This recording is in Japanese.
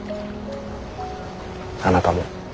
あなたも。